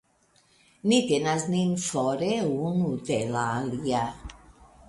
Ni tenas nin fore unu de la alia.